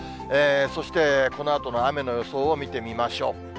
そして、このあとの雨の予想を見てみましょう。